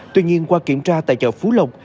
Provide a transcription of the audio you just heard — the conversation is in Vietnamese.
tuy nhiên qua kiểm tra tại chợ phú lộc